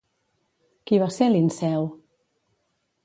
Qui va ser Linceu?